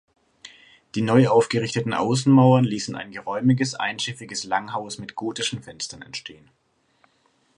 Die neu aufgerichteten Außenmauern ließen ein geräumiges einschiffiges Langhaus mit gotischen Fenstern entstehen.